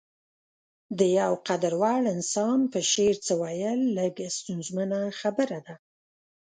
د يو قدر وړ انسان په شعر څه ويل لږه ستونزمنه خبره ده.